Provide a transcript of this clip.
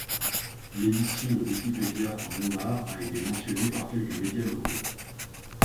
L'édition de wikipédia en lombard a été mentionnée par quelques médias locaux.